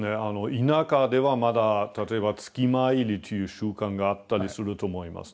田舎ではまだ例えば月参りという習慣があったりすると思いますね。